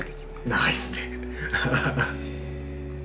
長いですね。